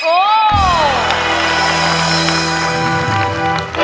เพลงนี้ที่๕หมื่นบาทแล้วน้องแคน